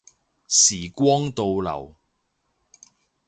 時光倒流